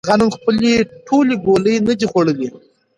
هغې نن خپلې ټولې ګولۍ نه دي خوړلې.